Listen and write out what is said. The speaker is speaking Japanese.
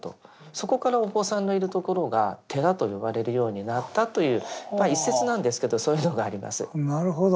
そこからお坊さんのいる所が「寺」と呼ばれるようになったというまあ一説なんですけどそういうのがあります。